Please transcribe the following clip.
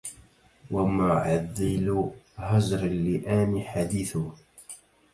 ومعذل هجر اللئام حديثه